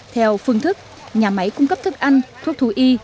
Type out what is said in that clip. theo phương thức nhà máy cung cấp thức ăn thuốc thú y